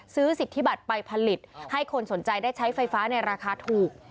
สิทธิบัตรไปผลิตให้คนสนใจได้ใช้ไฟฟ้าในราคาถูก